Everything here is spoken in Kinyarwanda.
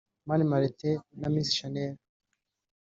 Mani Martin na Miss Shanel